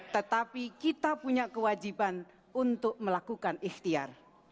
tetapi kita punya kewajiban untuk melakukan ikhtiar